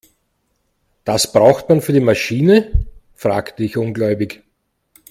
Das braucht man für die Maschine?, fragte ich ungläubig.